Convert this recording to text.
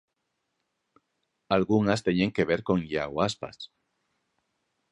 Algunhas teñen que ver con Iago Aspas.